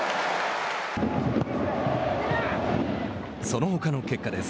そのほかの結果です。